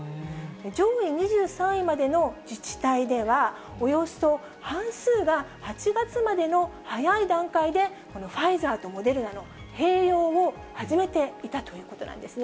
上位２３位までの自治体では、およそ半数が８月までの早い段階で、このファイザーとモデルナの併用を始めていたということなんですね。